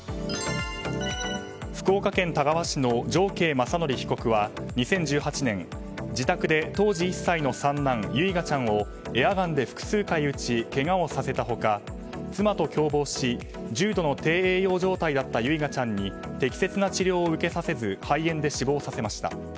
福岡県田川市の常慶雅則被告は２０１８年、自宅で当時１歳の三男唯雅ちゃんをエアガンで複数回撃ちけがをさせた他妻と共謀し、重度の低栄養状態だった唯雅ちゃんに適切な治療を受けさせず肺炎で死亡させました。